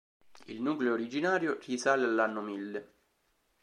Il nucleo originario risale all'anno mille.